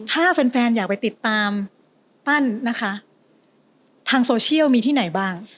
ถ้าแฟนแฟนอยากไปติดตามปั้นนะคะทางโซเชียลมีที่ไหนบ้าง